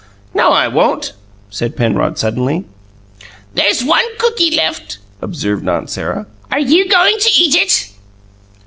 "No, I won't!" said Penrod suddenly. "There's one cookie left," observed Aunt Sarah. "Are you going to eat it?"